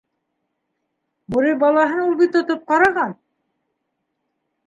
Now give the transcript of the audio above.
Бүре балаһын ул бит тотоп, ҡараған...